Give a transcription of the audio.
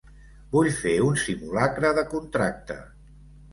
Vull fer un simulacre de contracte.